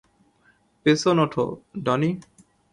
পেছন উঠো, ডনি।